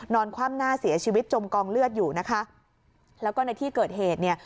คว่ำหน้าเสียชีวิตจมกองเลือดอยู่นะคะแล้วก็ในที่เกิดเหตุเนี่ย